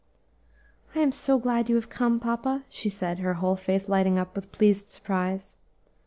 "I am so glad you have come, papa," she said, her whole face lighting up with pleased surprise.